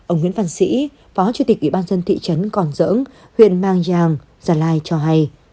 ông nguyễn văn sĩ phó chủ tịch ủy ban dân thị trấn còn dỡng huyện mang giang gia lai cho hay